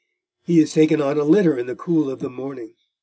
He was taken on a litter in the cool of the morning.